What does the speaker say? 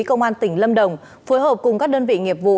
công an tỉnh lâm đồng phối hợp cùng các đơn vị nghiệp vụ